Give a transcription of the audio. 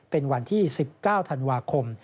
เป็นวันที่๑๙ธันวาคม